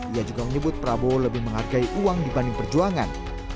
ia juga menyebut prabowo lebih menghargai uang dibanding perjuangan